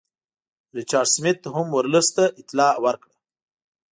ریچارډ سمیت هم ورلسټ ته اطلاع ورکړه.